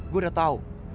gue udah tau